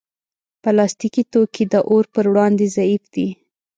پلاستيکي توکي د اور پر وړاندې ضعیف دي.